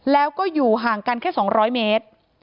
แล้วก็อยู่ห่างกันแค่๒๐๐เมตร